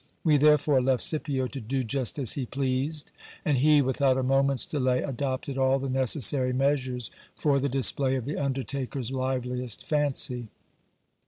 We therefore left Scipio to do just as he pleased ; and he, without a moment's delay, adopted all the necessary measures for the display of the undertaker's liveliest fancy.